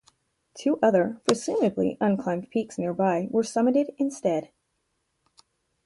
Two other, presumably unclimbed peaks nearby were summited instead.